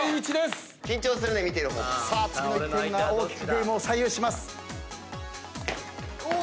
さあ次の１点が大きくゲームを左右します。